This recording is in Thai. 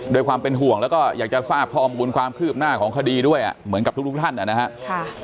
ด้วยความเป็นห่วงแล้วก็อยากจะทราบข้อมูลความคืบหน้าของคดีด้วยเหมือนกับทุกท่านนะครับ